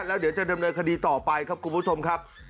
แล้วเดี๋ยวจะดำเนินคดีต่อไปครับคุณผู้ชมครับ